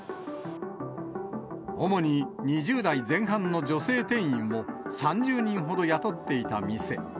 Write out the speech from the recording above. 主に２０代前半の女性店員を３０人ほど雇っていた店。